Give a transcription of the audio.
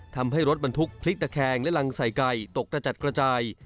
ทำให้รถบรรทุกพลิกตะแคงและรังใส่ไก่ตกกระจัดกระจาย